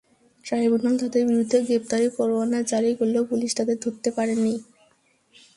Tribunal তাঁদের বিরুদ্ধে গ্রেপ্তারি পরোয়ানা জারি করলেও পুলিশ তাঁদের ধরতে পারেনি।